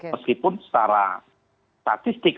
meskipun secara statistik